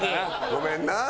ごめんな。